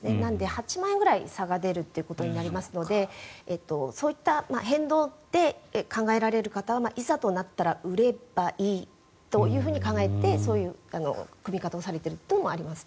８万円ぐらい差が出ることになるのでそういった変動で考えられる方はいざとなったら売ればいいと考えて、そういう組み方をされているところもありますね。